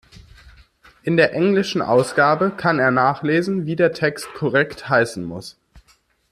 In der englischen Ausgabe kann er nachlesen, wie der Text korrekt heißen muss.